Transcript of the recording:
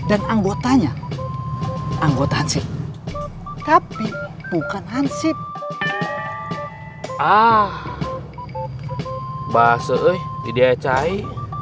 ah bahasa ini kayaknya cai